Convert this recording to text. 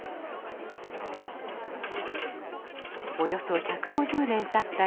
およそ１５０年たった